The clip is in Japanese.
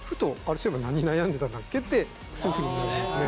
そういえば何悩んでたんだっけ」ってそういうふうになりますね。